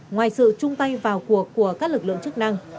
ngoài sự chung tay vào cuộc của các lực lượng chức năng